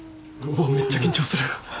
うわめっちゃ緊張する。